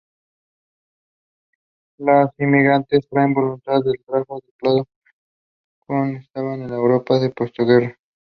Its courses include postgraduate education.